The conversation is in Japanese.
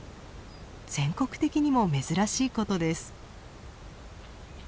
全国的にも珍しいことです。